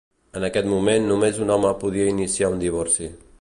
En aquest moment només un home podia iniciar un divorci.